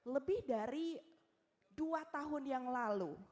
lebih dari dua tahun yang lalu